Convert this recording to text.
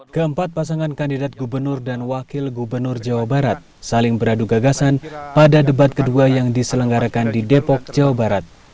keempat pasangan kandidat gubernur dan wakil gubernur jawa barat saling beradu gagasan pada debat kedua yang diselenggarakan di depok jawa barat